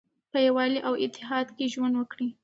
په یووالي او اتحاد کې ژوند وکړئ.